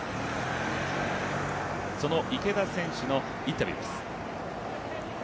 その池田選手のインタビューです。